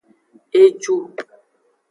Eju.